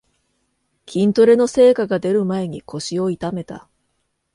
筋トレの成果がでる前に腰を痛めた